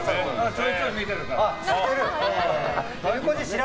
ちょいちょい見てるから。